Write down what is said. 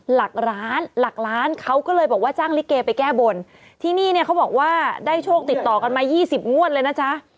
หลักล้านเขาก็เลยบอกว่าจ้างฤทธิ์เกย์ไปแก้บนที่นี่เขาบอกว่าได้โชคติดต่อกันมา๒๐งวดเลยนะจ๊ะ